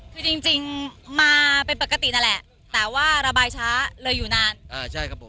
คือจริงจริงมาเป็นปกตินั่นแหละแต่ว่าระบายช้าเลยอยู่นานอ่าใช่ครับผม